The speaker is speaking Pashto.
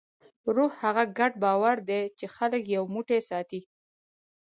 روح هغه ګډ باور دی، چې خلک یو موټی ساتي.